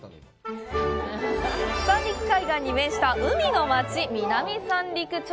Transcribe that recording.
三陸海岸に面した海の町・南三陸町。